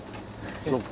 そっか。